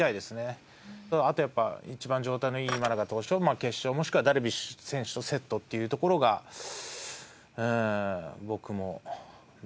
あとやっぱ一番状態のいい今永投手を決勝もしくはダルビッシュ選手とセットっていうところがうん僕も濃厚かなと。